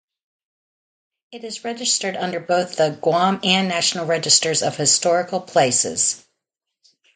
It is registered under both the Guam and National Registers of Historical Places.